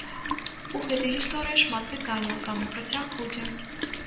У гэтай гісторыі шмат пытанняў, таму працяг будзе.